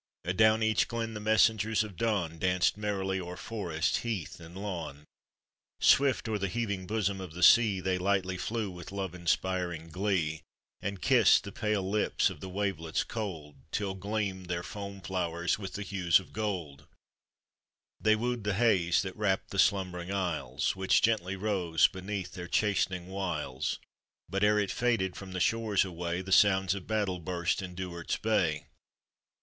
Adown each glen th«> messengers of dawn Danced merrily o'er forest, heath, and 1nwn, Swift o'er the heaving bosom of the sea They lightly flew with love inspiring glee, And kissed the pale lips of tho wavelets cold, Till gleamed their foam flowers with the hues of gold ; They wooed the haze, that wrapt the slumber ing isles, Which gently rose beneath their chastening wiles, But ere it faded from the shores away, The sounds of battle burst in Duard's bay.